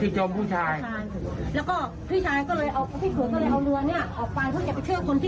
ที่จมผู้ชายผู้ชายแล้วก็พี่ชายก็เลยเอาพี่เขือก็เลยเอาเรือนี้